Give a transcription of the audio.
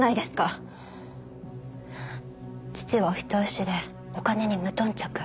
父はお人よしでお金に無頓着。